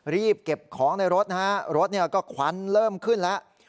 รีบเก็บของในรถนะฮะรถก็ควันเริ่มขึ้นแล้ว